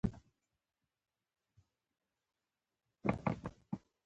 افغانستان په نړۍ کې د زراعت لپاره مشهور دی.